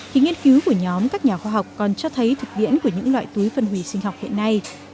thì nghiên cứu của nhóm các nhà khoa học còn cho thấy thực tiễn của những loại túi phân hủy sinh học hiện nay